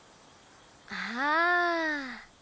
ああ。